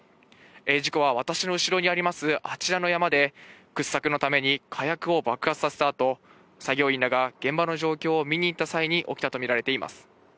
事故は私の後ろにあります、あちらの山で掘削のために火薬を爆発させたあと、作業員らが現場の状況を見に行った際に起きたとみられています。